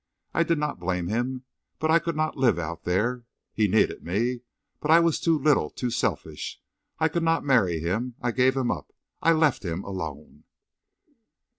I did not blame him. But I could not live out there. He needed me. But I was too little—too selfish. I could not marry him. I gave him up. ... I left—him—alone!"